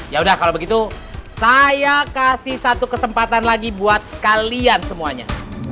ya udah kalau begitu saya kasih satu kesempatan lagi buat kalian semuanya